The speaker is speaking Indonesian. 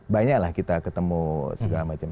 banyak lah kita ketemu segala macam